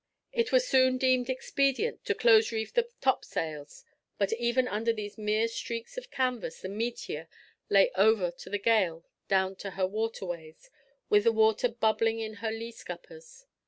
It was soon deemed expedient to close reef the topsails; but even under these mere streaks of canvas the Meteor lay over to the gale down to her water ways, with the water bubbling in her lee scuppers.